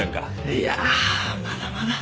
いやあまだまだ。